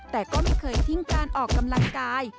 แต่ก็ไม่เคยทิ้งการออกกำลังกาย